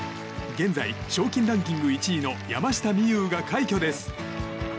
現在、賞金ランキング１位の山下美夢有が快挙です。